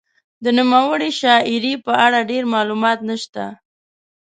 د نوموړې شاعرې په اړه ډېر معلومات نشته.